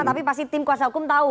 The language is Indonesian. tapi pasti tim kuasa hukum tahu